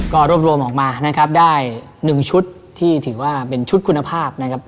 ก็รวมออกมาได้หนึ่งชุดที่ถือว่าเป็นชุดคุณภาพนะครับ